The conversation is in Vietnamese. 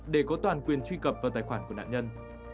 để có toàn quyền truy cập vào tài khoản của nạn nhân